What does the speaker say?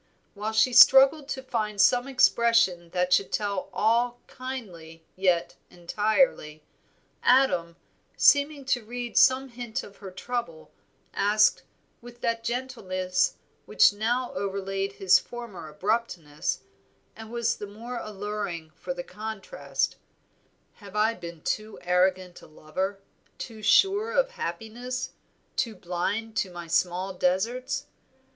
While she struggled to find some expression that should tell all kindly yet entirely, Adam, seeming to read some hint of her trouble, asked, with that gentleness which now overlaid his former abruptness, and was the more alluring for the contrast "Have I been too arrogant a lover? too sure of happiness, too blind to my small deserts?